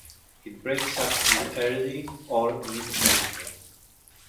It breaks up in the early or mid-April.